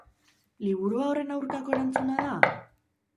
Liburua horren aurkako erantzuna da?